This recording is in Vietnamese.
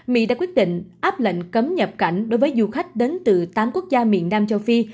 mỹ đã quyết định áp lệnh cấm nhập cảnh đối với du khách đến từ tám quốc gia miền nam châu phi